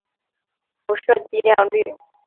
辐射剂量率。